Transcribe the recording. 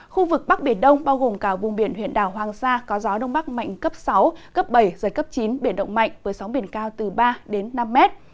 khu vực bắc biển đông bao gồm cả vùng biển huyện đảo hoàng sa có gió đông bắc mạnh cấp sáu cấp bảy giật cấp chín biển động mạnh với sóng biển cao từ ba đến năm mét